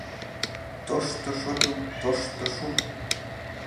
Тóшто шóтым, тóшто шу́м